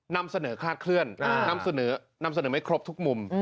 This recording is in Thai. นำเสนอคาดเคลื่อนนำเสนอไม่ครบทุกมุม